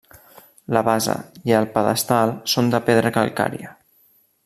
La base i el pedestal són de pedra calcària.